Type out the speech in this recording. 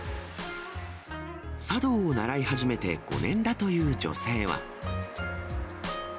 茶道を習い始めて５年だという女性は。